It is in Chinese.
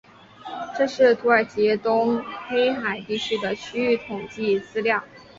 这是土耳其东黑海地区的区域统计资料。